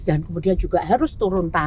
dan kemudian juga harus turun